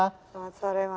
selamat sore mbak